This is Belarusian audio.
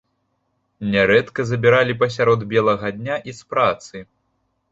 Нярэдка забіралі пасярод белага дня і з працы.